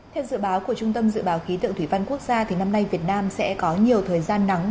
theo dự báo của trung tâm dự báo khí tượng thủy văn quốc gia năm nay việt nam sẽ có nhiều thời gian nắng